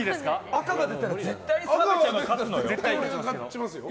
赤が出たら絶対澤部ちゃんが勝つのよ。